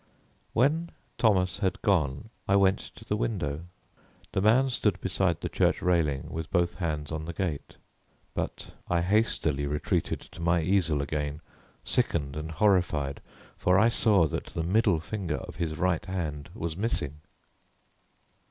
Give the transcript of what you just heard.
When Thomas had gone I went to the window. The man stood beside the church railing with both hands on the gate, but I hastily retreated to my easel again, sickened and horrified, for I saw that the middle finger of his right hand was missing.